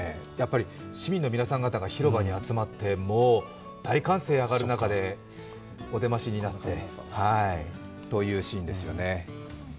市民の皆さん方が広場に集まってもう大歓声が上がる中でお出ましになってというシーンですよね。